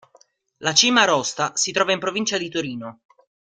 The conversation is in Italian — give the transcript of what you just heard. La Cima Rosta si trova in provincia di Torino.